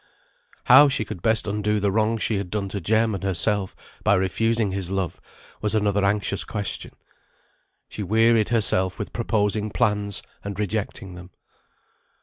How she could best undo the wrong she had done to Jem and herself by refusing his love, was another anxious question. She wearied herself with proposing plans, and rejecting them.